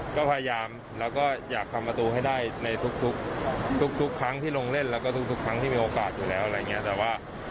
ก็พยายามแล้วก็อยากทำประตูให้ได้ในทุกทุกครั้งที่ลงเล่นแล้วก็ทุกครั้งที่มีโอกาสอยู่แล้วอะไรอย่างนี้แต่ว่า